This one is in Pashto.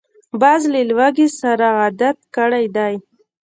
باز له لوږې سره عادت کړی دی